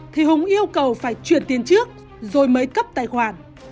thì hùng yêu cầu phải chuyển tiền trước rồi mới cấp tài khoản